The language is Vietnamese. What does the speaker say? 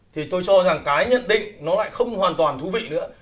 thì tôi cho rằng cái nhận định nó lại không hoàn toàn thú vị nữa